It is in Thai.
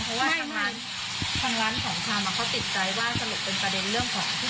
เพราะว่าทางร้านของชำเขาติดใจว่าสรุปเป็นประเด็นเรื่องของที่